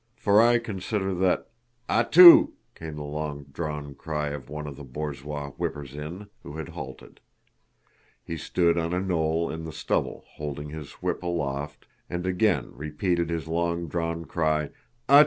For I consider that..." "A tu!" came the long drawn cry of one of the borzoi whippers in, who had halted. He stood on a knoll in the stubble, holding his whip aloft, and again repeated his long drawn cry, "A tu!"